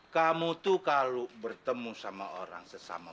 kamu tuh kalau bertemu sama orang sesama